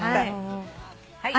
はい。